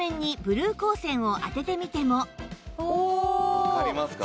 わかりますか？